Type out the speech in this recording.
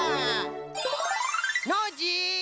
ノージー。